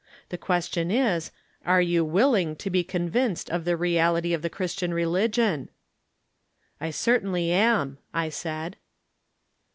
The question is, Are you willing to be convinced of the reality of the Christian religion ?"" I certainly am," I said.